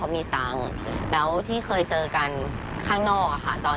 และที่เคยเจอกันค่อนข้างนอก